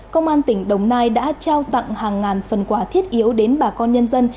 công an tỉnh đồng nai đã trao tặng hàng ngàn phần quả thiết yếu đến bà con nhân dân